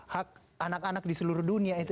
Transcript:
hak anak anak di seluruh dunia itu